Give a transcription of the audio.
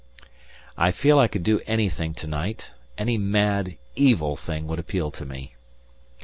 I feel I could do anything to night; any mad, evil thing would appeal to me.